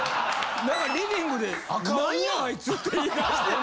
何かリビングで「なんやアイツ！」って言い出して。